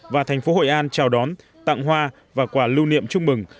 và thành phố hội an chào đón tặng hoa và quà lưu niệm chúc mừng